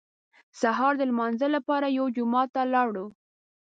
سهار د لمانځه لپاره یو جومات ته لاړو.